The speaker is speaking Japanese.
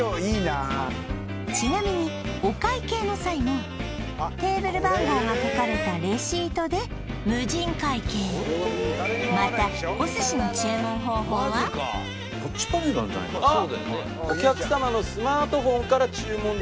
ちなみにお会計の際もテーブル番号が書かれたレシートで無人会計またタッチパネルなんじゃないかなあっ！